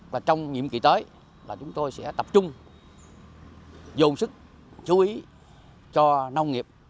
và trong nhiệm kỳ tới là chúng tôi sẽ tập trung dồn sức chú ý cho nông nghiệp